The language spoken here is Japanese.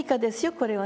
これはね